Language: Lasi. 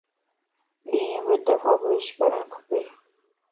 ڏينھن ٻه دفع بروش ڪرڻ کپ